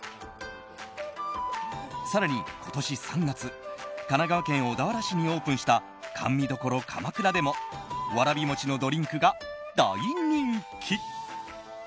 更に、今年３月神奈川県小田原市にオープンした甘味処鎌倉でもわらび餅のドリンクが大人気。